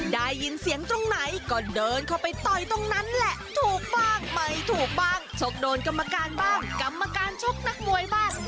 ได้ยินเสียงตรงไหนก็เดินเข้าไปต่อยตรงนั้นแหละถูกบ้างไม่ถูกบ้างชกโดนกรรมการบ้างกรรมการชกนักมวยบ้าง